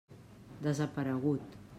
Desaparegut.